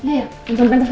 iya kakak mau pentas loh